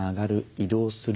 移動する。